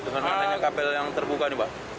dengan adanya kabel yang terbuka nih mbak